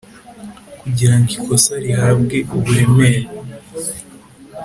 kugira ngo ikosa rihabwe uburemere